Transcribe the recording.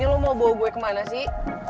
ini lu mau bawa gue kemana sih